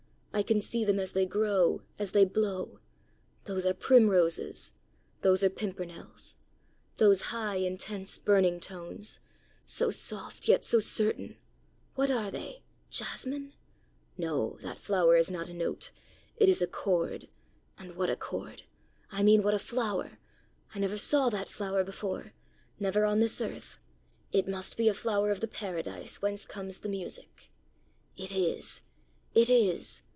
I can see them as they grow, as they blow! Those are primroses! Those are pimpernels! Those high, intense, burning tones so soft, yet so certain what are they? Jasmine? No, that flower is not a note! It is a chord! and what a chord! I mean, what a flower! I never saw that flower before never on this earth! It must be a flower of the paradise whence comes the music! It is! It is!